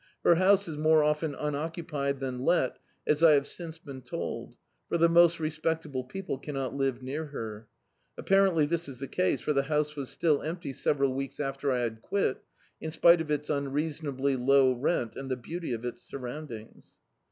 Her house is more often unoccupied than let, as I have since been told, for the most respect able people cannot live near her. Apparently this is the case, for die house was still empty several weeks after I had quit, in spite of its unreasonably low rent and the beauty of its surroundings.